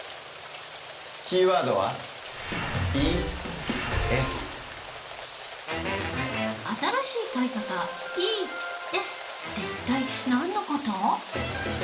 キーワードは新しい買い方「ＥＳ」って一体何の事？